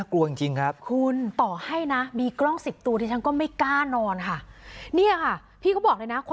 กลัวค่ะพี่กลัวค่ะทุกวันนี้ก็ยังกลัวอยู่มะคืนก็นอนไม่หลับนะครับ